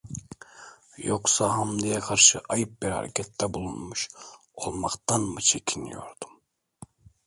Yoksa Hamdi'ye karşı ayıp bir harekette bulunmuş olmaktan mı çekmiyordum?